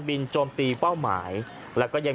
พอพาไปดูก็จะพาไปดูที่เรื่องของเครื่องบินเฮลิคอปเตอร์ต่าง